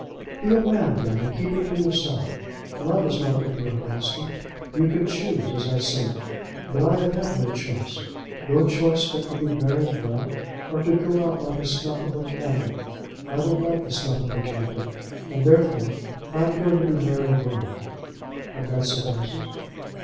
"Be a man, then, and keep it to yourself. Love is not to be our master. You can choose, as I say; but I have had no choice, no choice but to be married well, or to go out like a snuff of a candle. I don't like the snuff of a candle, and, therefore, I am going to be married well." "And that suffices?"